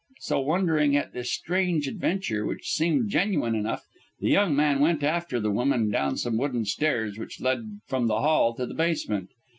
So, wondering at this strange adventure, which seemed genuine enough, the young man went after the woman down some wooden stairs which led from the hall to the basement.